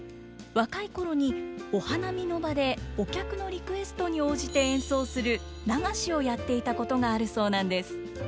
若い頃にお花見の場でお客のリクエストに応じて演奏する流しをやっていたことがあるそうなんです。